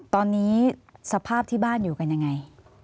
ตอนนี้สภาพที่บ้านอยู่กันยังไง